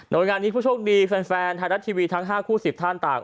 โดยงานนี้ผู้โชคดีแฟนไทยรัฐทีวีทั้ง๕คู่๑๐ท่านต่าง